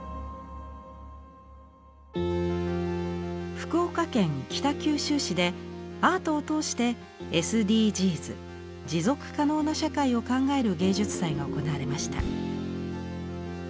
福岡県北九州市でアートを通してＳＤＧｓ持続可能な社会を考える芸術祭が行われました。